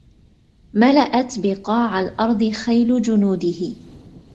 ملأت بقاع الأرض خيل جنوده